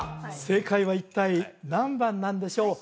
正解は一体何番なんでしょう？